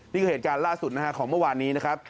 นี่คือเหตุการณ์ล่าสุดนะฮะของเมื่อวานนี้นะครับ